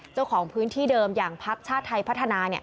เจ้าของพื้นที่เดิมอย่างพักชาติไทยพัฒนา